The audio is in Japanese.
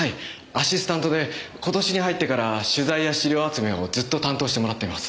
アシスタントで今年に入ってから取材や資料集めをずっと担当してもらっています。